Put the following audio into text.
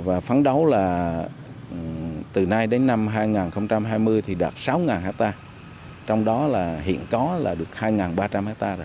và phấn đấu là từ nay đến năm hai nghìn hai mươi thì đạt sáu hectare trong đó là hiện có là được hai ba trăm linh hectare